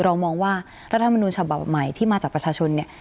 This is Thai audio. เรามองว่ารัฐมนุนฉบับใหม่ที่มาจากประชาชนเนี่ย